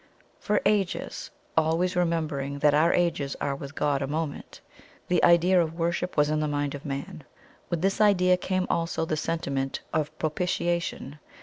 "For ages (always remembering that our ages are with God a moment) the idea of WORSHIP was in the mind of man. With this idea came also the sentiment of PROPITIATION.